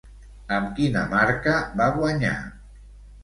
Amb quina marca va guanyar?